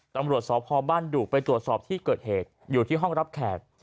ตำรวจสพบ้านดุกไปตรวจสอบที่เกิดเหตุอยู่ที่ห้องรับแขก